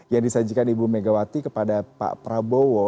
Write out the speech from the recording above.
yang disajikan ibu megawati kepada pak prabowo